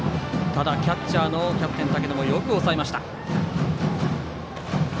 ただ、キャッチャーのキャプテン竹野もよく押さえました。